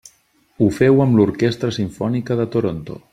Ho féu amb l'Orquestra Simfònica de Toronto.